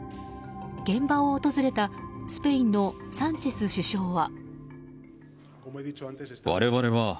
現場を訪れたスペインのサンチェス首相は。